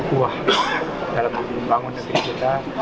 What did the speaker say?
aku kuah dalam membangun negeri kita